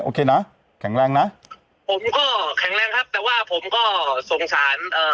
โอเคนะแข็งแรงนะผมก็แข็งแรงครับแต่ว่าผมก็สงสารเอ่อ